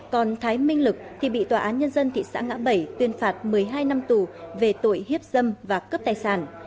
còn thái minh lực thì bị tòa án nhân dân thị xã ngã bảy tuyên phạt một mươi hai năm tù về tội hiếp dâm và cướp tài sản